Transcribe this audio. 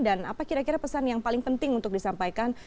apa kira kira pesan yang paling penting untuk disampaikan